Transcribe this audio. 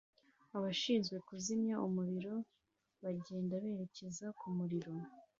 Abashinzwe kuzimya umuriro bagenda berekeza ku muriro